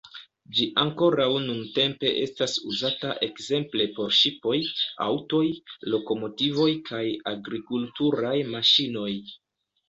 Ĝi ankoraŭ nuntempe estas uzata ekzemple por ŝipoj, aŭtoj, lokomotivoj kaj agrikulturaj maŝinoj.